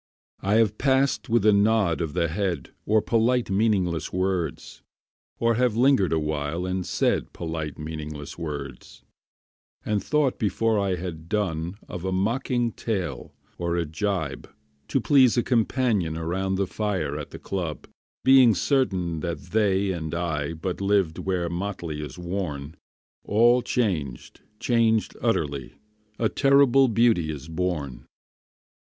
I have passed with a nod of the head Or polite meaningless words, Or have lingered awhile and said Polite meaningless words, And thought before I had done Of a mocking tale or a gibe To please a companion Around the fire at the club, Being certain that they and I But lived where motley is worn: All changed, changed utterly: A terrible beauty is born.